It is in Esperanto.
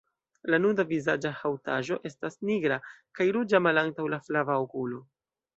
La nuda vizaĝa haŭtaĵo estas nigra, kaj ruĝa malantaŭ la flava okulo.